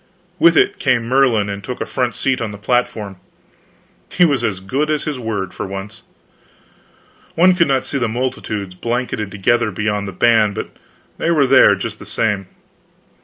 With it came Merlin, and took a front seat on the platform; he was as good as his word for once. One could not see the multitudes banked together beyond the ban, but they were there, just the same.